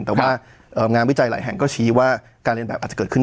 แต่ว่างานวิจัยหลายแห่งก็ชี้ว่าการเรียนแบบอาจจะเกิดขึ้น